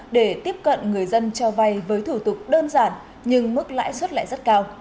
để tiếp cận người dân cho vay với thủ tục đơn giản nhưng mức lãi suất lại rất cao